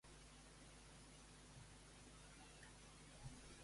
El quart àlbum d'estudi de la banda Lordi es diu Deadache.